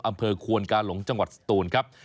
อำเภอควนกาหลงจังหวัดสตูนครับ